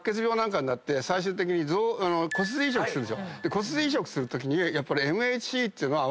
骨髄移植するときにやっぱり。